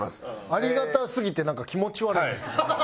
ありがたすぎてなんか気持ち悪いねんけど。